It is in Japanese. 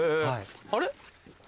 あれ？